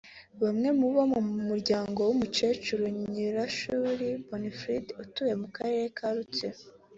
Bamwe mu bo mu muryango w’umukecuru Nyirashuri Bonifride utuye mu karere ka Rutsiro